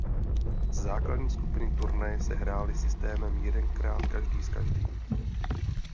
Základní skupiny turnaje se hrály systémem jedenkrát každý s každým.